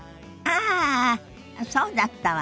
ああそうだったわね。